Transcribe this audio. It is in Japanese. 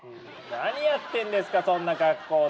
何やってんですかそんな格好で。